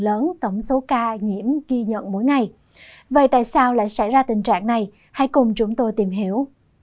lớn tổng số ca nhiễm ghi nhận mỗi ngày vậy tại sao lại xảy ra tình trạng này hãy cùng chúng tôi tìm hiểu